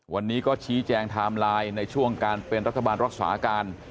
วันนี้ก็ชี้แจงไทม์ไลน์ในช่วงการเป็นรัฐบาลรักษาการ